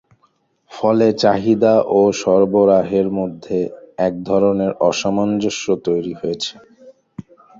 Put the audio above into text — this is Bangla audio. ফলে চাহিদা ও সরবরাহের মধ্যে একধরনের অসামঞ্জস্য তৈরি হয়।